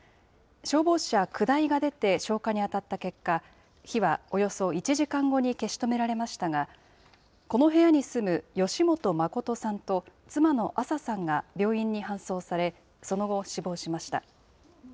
消防車９台が出て、消火に当たった結果、火はおよそ１時間後に消し止められましたが、この部屋に住む吉本誠さんと、妻のアサさんが病院に搬送され、その後死亡しました。